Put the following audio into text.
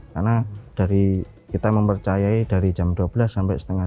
karena dari kita mempercayai dari jam dua belas sampai setengah tiga